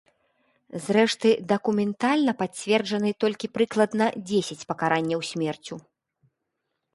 Зрэшты, дакументальна пацверджаны толькі прыкладна дзесяць пакаранняў смерцю.